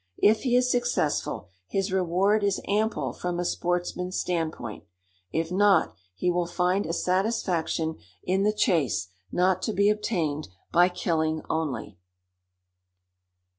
If he is successful, his reward is ample from a sportsman's standpoint; if not, he will find a satisfaction in the chase not to be obtained by killing only.